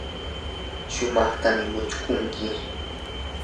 sumaqtam mushkunki.